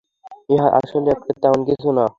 Yeah, আসলে এটা তেমন কিছু না।